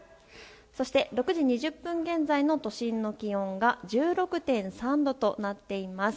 そして６時２０分現在の都心の気温が１６．３度となっています。